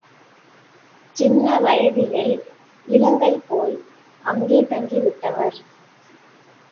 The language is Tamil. சின்னவயதிலேயே இலங்கை போய் அங்கே தங்கி விட்டவர்.